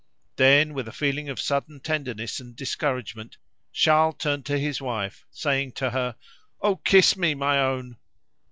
Then with a feeling of sudden tenderness and discouragement Charles turned to his wife saying to her "Oh, kiss me, my own!"